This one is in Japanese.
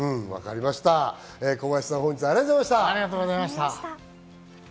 小林さん、本日はありがとうございました。